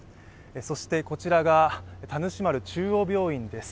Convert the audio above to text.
そしてこちらが田主丸中央病院です。